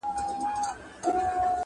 زما د نصیب جامونه څرنګه نسکور پاته دي،